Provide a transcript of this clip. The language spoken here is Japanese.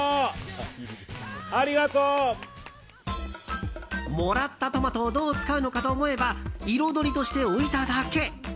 ありがとう！もらったトマトをどう使うのかと思えば彩りとして置いただけ！